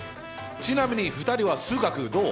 ちなみに２人は数学どう？